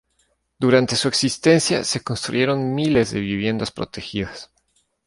Durante su existencia se construyeron miles de viviendas protegidas.